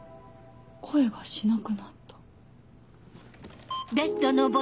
声がしなくなった。あっ！